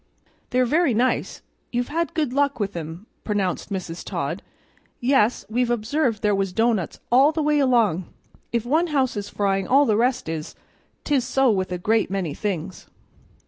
"They're very nice; you've had good luck with 'em," pronounced Mrs. Todd. "Yes, we've observed there was doughnuts all the way along; if one house is frying all the rest is; 'tis so with a great many things."